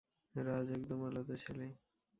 রাজ একদম আলাদা ছেলে।